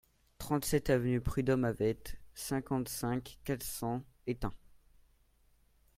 trente-sept avenue Prud'Homme Havette, cinquante-cinq, quatre cents, Étain